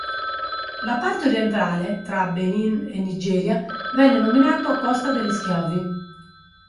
La parte orientale, tra Benin e Nigeria venne nominato Costa degli Schiavi.